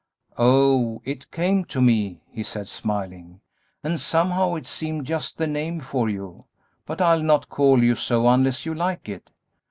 "Oh, it came to me," he said, smiling; "and somehow it seemed just the name for you; but I'll not call you so unless you like it."